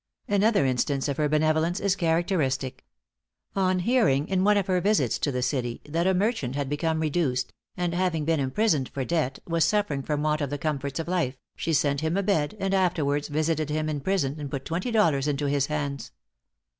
Another instance of her benevolence is characteristic. On hearing, in one of her visits to the city, that a merchant had become reduced, and having been imprisoned for debt, was suffering from want of the comforts of life, she sent him a bed, and afterwards visited him in prison, and put twenty dollars into his hands.